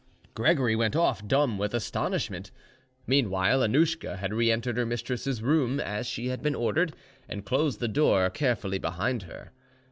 Gregory went off, dumb with astonishment. Meanwhile, Annouschka had re entered her mistress's room, as she had been ordered, and closed the door carefully behind her.